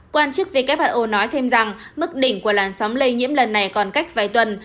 quan chức who nói thêm rằng mức đỉnh của làn sóng lây nhiễm lần này còn cách vài tuần